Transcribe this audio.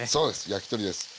焼き鳥です。